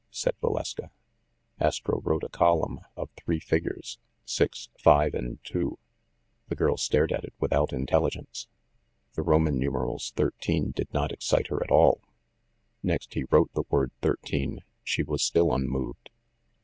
said Valeska. Astro wrote a column of three figures : 6, 5, and 2. The girl stared at it without intelligence. The Roman numerals XIII did not excite her at all. Next, he wrote the word "thirteen" ; she was still unmoved.